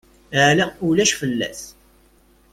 Ala ulac fell-as.